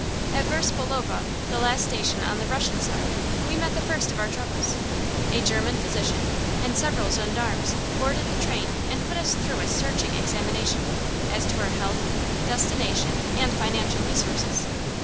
At Versbolovo, the last station on the Russian side, we met the first of our troubles. A German physician and several gendarmes boarded the train and put us through a searching examination as to our health, destination, and financial resources.